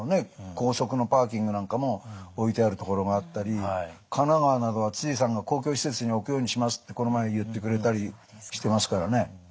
高速のパーキングなんかも置いてある所があったり神奈川などは知事さんが公共施設に置くようにしますってこの前言ってくれたりしてますからね。